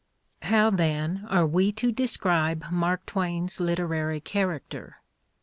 How, then, are we to describe Mark Twain's literary character?